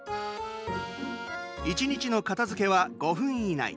１日の片づけは５分以内。